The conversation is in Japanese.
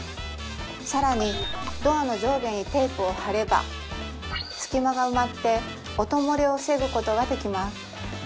さらにドアの上下にテープを貼れば隙間が埋まって音漏れを防ぐことができます